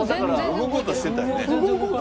動こうとしてたよね。